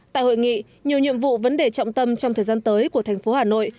tại hội nghị nhiều nhiệm vụ vấn đề trọng tâm trong thời gian tới của thành phố hà nội